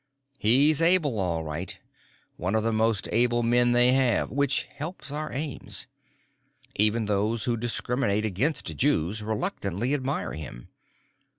He's able, all right; one of the most able men they have, which helps our aims. Even those who discriminate against Jews reluctantly admire him.